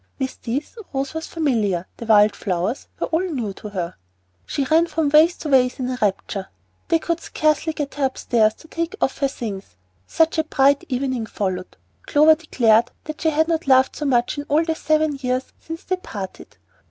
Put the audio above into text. With these Rose was familiar; the wild flowers were all new to her. She ran from vase to vase in a rapture. They could scarcely get her upstairs to take off her things. Such a bright evening followed! Clover declared that she had not laughed so much in all the seven years since they parted.